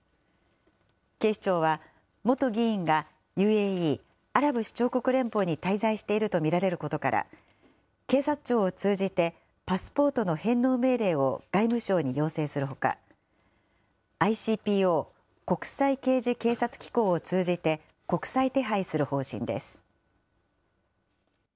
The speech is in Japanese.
警視庁は、元議員がＵＡＥ・アラブ首長国連邦に滞在していると見られることから、警察庁を通じて、パスポートの返納命令を外務省に要請するほか、ＩＣＰＯ・国際刑事警察機構を通じて、国際手配する方針です。